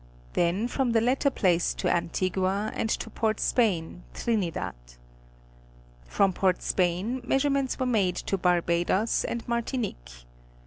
Then from the latter place to Anti gua and to Port Spain, Trinidad. From Port Spain, measure ments were made to Barbadoes and Martinique.